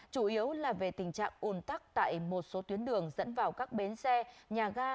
chủ yếu là về tình trạng ùn tắc tại một số tuyến đường dẫn vào các bến xe nhà ga